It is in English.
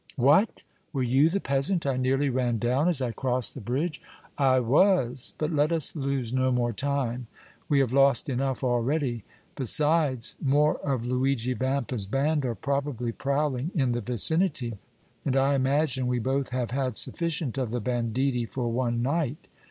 "What! Were you the peasant I nearly ran down as I crossed the bridge?" "I was. But let us lose no more time; we have lost enough already. Besides, more of Luigi Vampa's band are probably prowling in the vicinity, and I imagine we both have had sufficient of the banditti for one night!